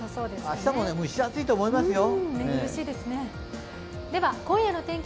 明日も蒸し暑いと思いますよ。